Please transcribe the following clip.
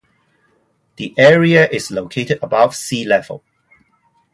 The area is located above sea-level.